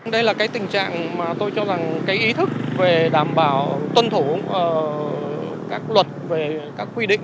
đây là cái tình trạng mà tôi cho rằng cái ý thức về đảm bảo tuân thủ các luật về các quy định